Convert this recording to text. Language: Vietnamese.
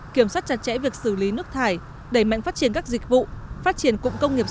kiểm soát chặt chẽ việc xử lý nước thải đẩy mạnh phát triển các dịch vụ phát triển cụng công nghiệp